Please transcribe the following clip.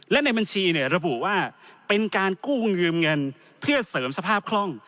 และในบัญชีเนี่ยระบุว่าเป็นการกู้ยืมเงินเพื่อเสริมสภาพคล่อง